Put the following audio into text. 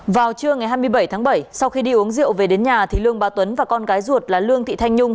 vào trưa ngày hai mươi bảy tháng bảy sau khi đi uống rượu về đến nhà thì lương bà tuấn và con gái ruột là lương thị thanh nhung